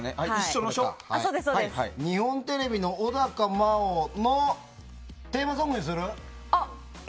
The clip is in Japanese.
日本テレビの小高茉緒のテーマソングにする？